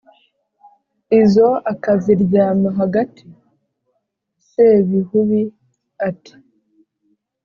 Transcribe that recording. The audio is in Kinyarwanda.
izo akaziryama hagati ? »sebihubi ati »